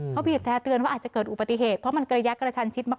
เขาบีบแรเตือนว่าอาจจะเกิดอุบัติเหตุเพราะมันกระแยกกระชันชิดมาก